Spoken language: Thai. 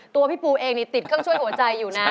ตัวพี่ปูเองนี่ติดเครื่องช่วยหัวใจอยู่นะ